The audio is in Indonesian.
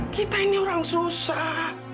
kita ini orang susah